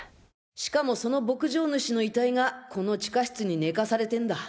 しかもその牧場主の遺体がこの地下室に寝かされてんだ。